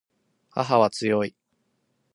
母は強い